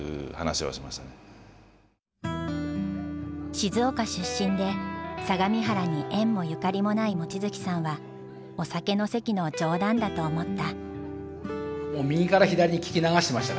静岡出身で相模原に縁もゆかりもない望月さんはお酒の席の冗談だと思った。